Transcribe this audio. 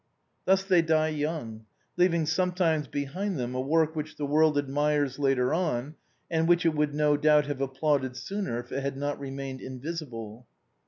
Thus they die young, leaving sometimes behind them a work which the world admires later on and which it would no doubt have applauded sooner if it had not remained invisible.